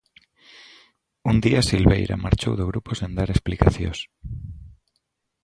Un día Silveira marchou do grupo sen dar explicacións.